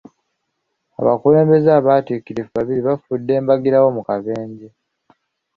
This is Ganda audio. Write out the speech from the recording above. Abakulembeze abaatiikirivu babiri baafudde mbagirawo mu kabenje.